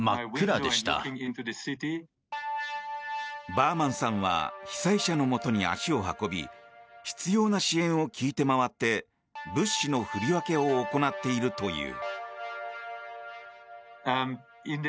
バーマンさんは被災者のもとに足を運び必要な支援を聞いて回って物資の振り分けを行っているという。